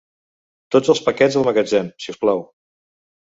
Tots els paquets al magatzem, si us plau.